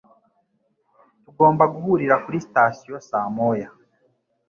Tugomba guhurira kuri sitasiyo saa moya.